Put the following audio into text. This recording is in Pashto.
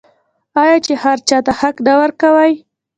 آیا چې هر چا ته حق نه ورکوي؟